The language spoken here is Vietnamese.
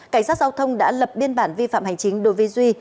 cảnh sát giao thông đã lập biên bản vi phạm hành chính đối với duy